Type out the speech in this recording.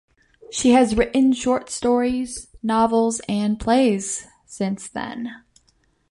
She has written short stories, novels, and plays since then.